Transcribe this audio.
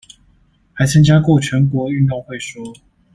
還參加過全國運動會說